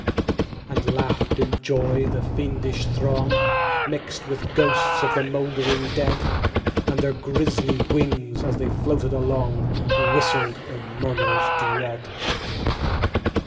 15. And laughed, in joy, the fiendish throng, Mixed with ghosts of the mouldering dead: And their grisly wings, as they floated along, Whistled in murmurs dread.